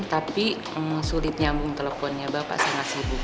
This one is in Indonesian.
tapi sulit nyambung teleponnya bapak sangat sibuk